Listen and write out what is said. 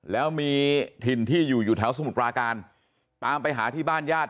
แล้วมีถิ่นที่อยู่อยู่แถวสมุทรปราการตามไปหาที่บ้านญาติ